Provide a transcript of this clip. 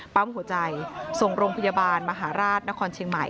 ปั๊มหัวใจส่งโรงพยาบาลมหาราชนครเชียงใหม่